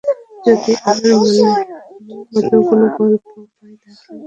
যদি আমার মনের মতো কোনো গল্প পাই, তাহলে ভেবে দেখতে পারি।